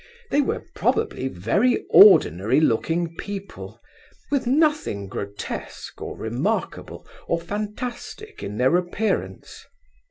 They were probably very ordinary looking people, with nothing grotesque, or remarkable, or fantastic in their appearance.